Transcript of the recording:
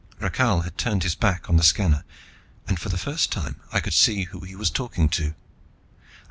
Rakhal had turned his back on the scanner and for the first time I could see who he was talking to.